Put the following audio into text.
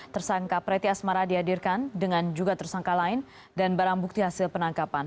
tersangka preti asmara dihadirkan dengan juga tersangka lain dan barang bukti hasil penangkapan